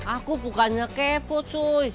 aku bukannya kepo cuy